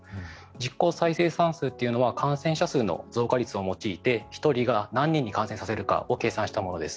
実効再生産数というのは感染者数の増加率を用いて１人が何人に感染させるかを計算したものです。